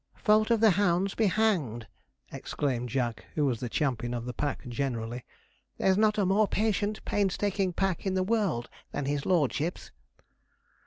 'Fault of the hounds be hanged!' exclaimed Jack, who was the champion of the pack generally. 'There's not a more patient, painstaking pack in the world than his lordship's.'